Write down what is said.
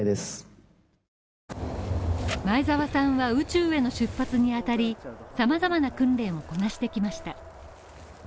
前澤さんは宇宙への出発に当たり、様々な訓練をこなしてきました。